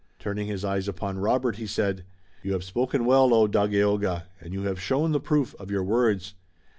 Turning his eyes upon Robert, he said: "You have spoken well, O Dagaeoga, and you have shown the proof of your words.